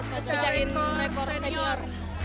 percayain rekor senior